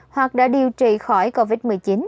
hoặc đã điều trị khỏi covid một mươi chín